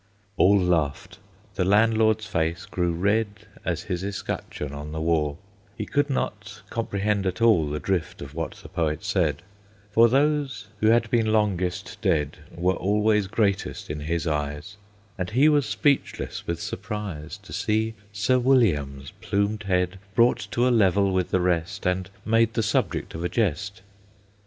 All laughed; the Landlord's face grew red As his escutcheon on the wall; He could not comprehend at all The drift of what the Poet said; For those who had been longest dead Were always greatest in his eyes; And he was speechless with surprise To see Sir William's plumed head Brought to a level with the rest, And made the subject of a jest.